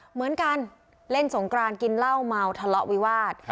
เหมือนกันเล่นสงกรานกินเหล้าเมาทะเลาะวิวาส